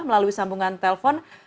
melalui sambungan telpon